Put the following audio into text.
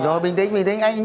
rồi bình tĩnh bình tĩnh